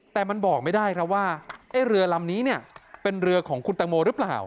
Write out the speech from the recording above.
แต่มันบอกไม่ได้ว่าเรือลำนี้เป็นเรือของคุณตังโมรึเปล่า